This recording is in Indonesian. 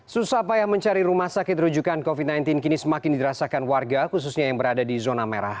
susah payah mencari rumah sakit rujukan covid sembilan belas kini semakin dirasakan warga khususnya yang berada di zona merah